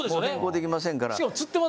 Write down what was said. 変更できませんから。